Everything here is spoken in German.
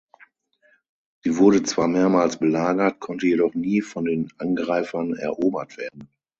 Sie wurde zwar mehrmals belagert, konnte jedoch nie von den Angreifern erobert werden.